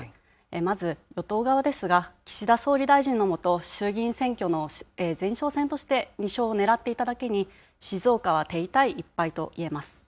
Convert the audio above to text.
まず与党側ですが、岸田総理大臣の下、衆議院選挙の前哨戦として２勝をねらっていただけに、静岡は手痛い１敗といえます。